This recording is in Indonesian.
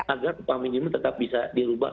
agar upah minimum tetap bisa dirubah